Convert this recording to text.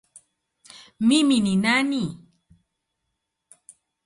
Mimi ni nani?